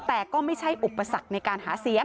แต่ก็ไม่ใช่อุปสรรคในการหาเสียง